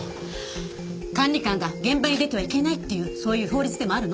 管理官が現場に出てはいけないっていうそういう法律でもあるの？